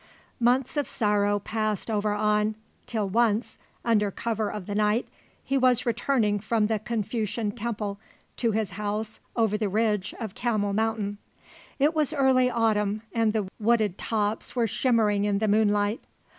Months of sorrow passed over An till once, under cover of the night, he was returning from the Confucian Temple to his house over the ridge of Camel Mountain. It was early autumn and the wooded tops were shimmering in the moonlight.